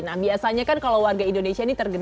nah biasanya kan kalau warga indonesia ini terkena